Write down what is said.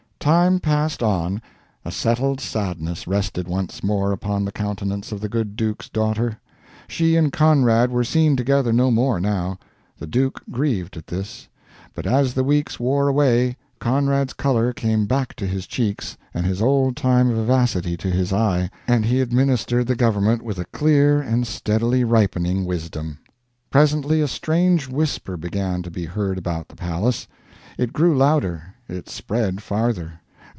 Time passed on. A settled sadness rested once more upon the countenance of the good duke's daughter. She and Conrad were seen together no more now. The duke grieved at this. But as the weeks wore away Conrad's color came back to his cheeks and his old time vivacity to his eye, and he administered the government with a clear and steadily ripening wisdom. Presently a strange whisper began to be heard about the palace. It grew louder; it spread farther.